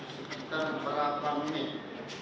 sekitar berapa menit